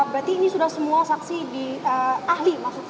berarti ini sudah semua saksi di ahli